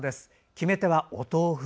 決め手はお豆腐。